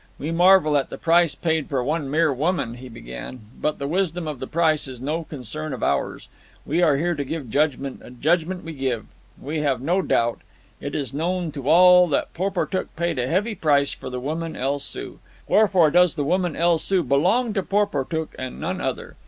"We marvel at the price paid for one mere woman," he began; "but the wisdom of the price is no concern of ours. We are here to give judgment, and judgment we give. We have no doubt. It is known to all that Porportuk paid a heavy price for the woman El Soo. Wherefore does the woman El Soo belong to Porportuk and none other."